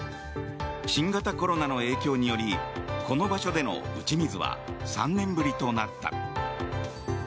新型コロナの影響によりこの場所での打ち水は３年ぶりとなった。